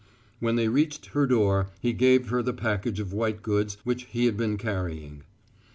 When they reached her door he gave her the package of white goods which he had been carrying.